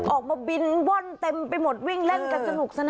ออกมาบินว่อนเต็มไปหมดวิ่งเล่นกันสนุกสนาน